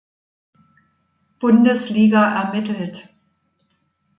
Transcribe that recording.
Bundesliga ermittelt.